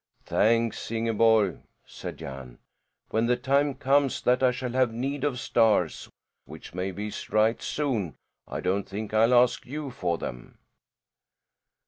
"Thanks, Ingeborg," said Jan. "When the time comes that I shall have need of stars which may be right soon I don't think I'll ask you for them."